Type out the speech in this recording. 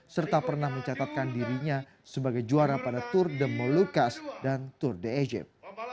serta pernah mencatatkan dirinya sebagai juara pada tour de molucas dan tour de ejep